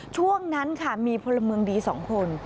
ช่วงนั้นค่ะมีพลเมืองดี๒คน